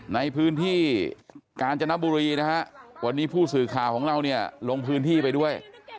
ในพื้นที่กาญจนบุรีนะฮะวันนี้ผู้สื่อข่าวของเราเนี่ยลงพื้นที่ไปด้วย